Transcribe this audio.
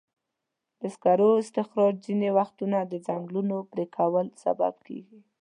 د سکرو استخراج ځینې وختونه د ځنګلونو پرېکولو سبب کېږي.